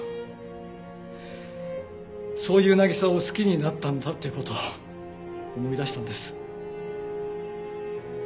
そういう渚を好きになったんだっていう事思い出したんです。